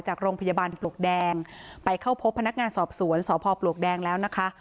จากโรงพยาบาลปลวกแดงไปเข้าพบพนักงานสอบสวนสพปลวกแดงแล้วนะคะ